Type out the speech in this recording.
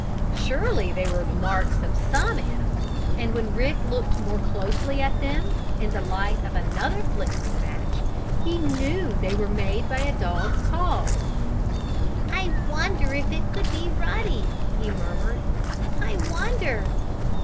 Surely they were the marks of some animal, and when Rick looked more closely at them, in the light of another flickering match, he knew they were made by a dog's paws. "I wonder if it could be Ruddy?" he murmured. "I wonder?"